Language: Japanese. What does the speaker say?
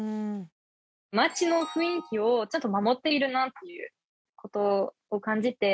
街の雰囲気をちゃんと守っているなという事を感じて。